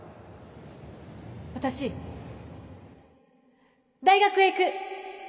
私大学へ行く！